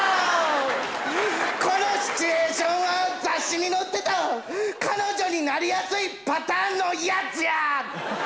このシチュエーションは雑誌に載ってた彼女になりやすいパターンのやつや！